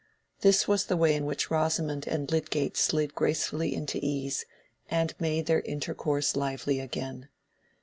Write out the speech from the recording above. This was the way in which Rosamond and Lydgate slid gracefully into ease, and made their intercourse lively again.